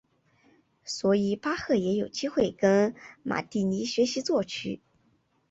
所以巴赫也有机会跟马蒂尼学习作曲。